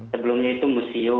sebelumnya itu museum